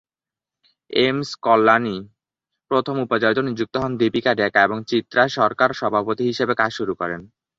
AIIMS Kalyani প্রথম উপাচার্য নিযুক্ত হন দীপিকা ডেকা এবং চিত্রা সরকার সভাপতি হিসাবে কাজ শুরু করেন।